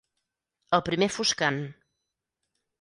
Al primer foscant.